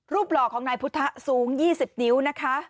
หล่อของนายพุทธะสูง๒๐นิ้วนะคะ